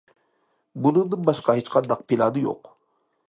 بۇنىڭدىن باشقا ھېچقانداق پىلانى يوق.